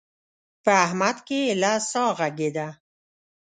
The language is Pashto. په احمد کې ايله سا غړېده.